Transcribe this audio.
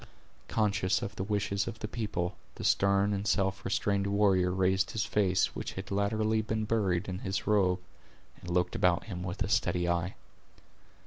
Conscious of the wishes of the people, the stern and self restrained warrior raised his face, which had latterly been buried in his robe, and looked about him with a steady eye.